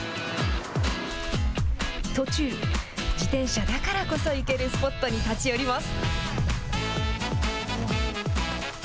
途中、自転車だからこそ行けるスポットに立ち寄ります。